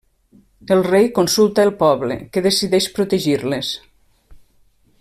El rei consulta el poble, que decideix protegir-les.